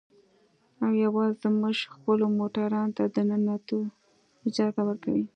او يوازې زموږ خپلو موټرانو ته د ننوتو اجازه ورکوي.